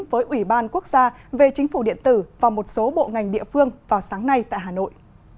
với ủy ban quốc gia về chính phủ điện tử và một số bộ ngành địa phương vào sáng nay tại hà nội